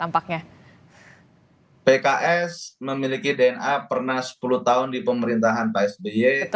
pks memiliki dna pernah sepuluh tahun di pemerintahan pak sby